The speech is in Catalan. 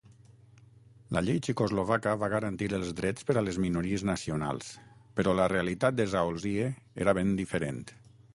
La llei txecoslovaca va garantir els drets per a les minories nacionals, però la realitat de Zaolzie era ben diferent.